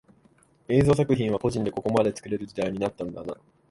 映像作品は個人でここまで作れる時代になったんだな